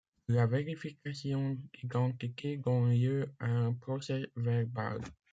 La vérification d'identité donne lieu à un procès-verbal.